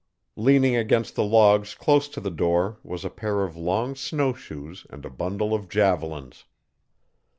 Leaning against the logs close to the door was a pair of long snowshoes and a bundle of javelins.